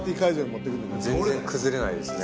全然崩れないですね。